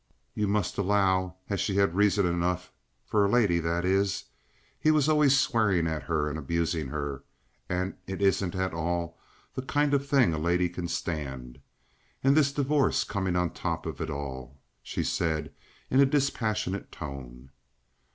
"You must allow as she had reason enough for a lady, that is. He was always swearing at her and abusing her, and it isn't at all the kind of thing a lady can stand. And this divorce coming on the top of it all," she said in a dispassionate tone.